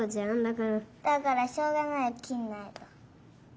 だからしょうがないきんないと。